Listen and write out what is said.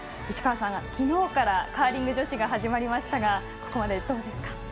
市川さん、昨日からカーリング女子が始まりましたがここまで、どうですか？